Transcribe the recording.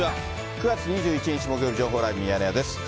９月２１日木曜日、情報ライブミヤネ屋です。